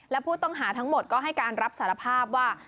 และผู้ต้องหาทั้งหมดก็ให้การรับสารภาพว่า